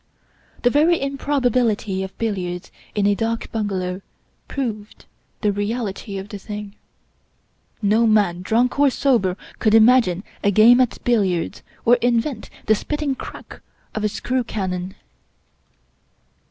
The very improbability of billiards in a dak bungalow proved the reality of the thing. No man — drunk or sober— could imagine a game at billiards, or invent the spitting crack of a "screw cannon."